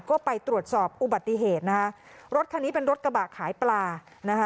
ก็ไปตรวจสอบอุบัติเหตุนะคะรถคันนี้เป็นรถกระบะขายปลานะคะ